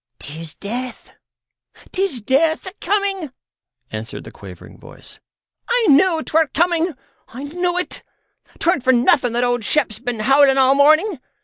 "'Tis death, 'tis death a coming," answered the quavering voice; "I knew 'twere coming. I knew it. 'Tweren't for nothing that old Shep's been howling all morning.